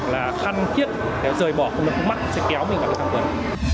là khăn kiếp để rời bỏ không được mắt sẽ kéo mình vào thang quấn